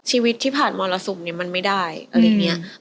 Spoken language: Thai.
ชีวิตที่ผ่านมรสุมเนี่ยมันไม่ได้อะไรอย่างนี้